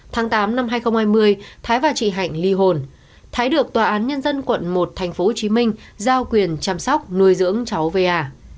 tháng tám năm hai nghìn hai mươi thái và chị hạnh ly hồn thái được tòa án nhân dân quận một tp hcm giao quyền chăm sóc nuôi dưỡng cháu về